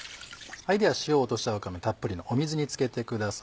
塩を落としたわかめたっぷりの水につけてください。